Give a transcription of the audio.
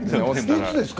いつですか？